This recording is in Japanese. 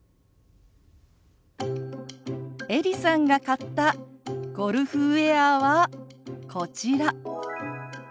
エリさんが買ったゴルフウエアはこちら。